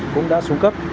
cũng đã xuống cấp